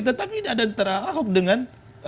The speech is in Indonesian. tetapi ini ada antara ahok dengan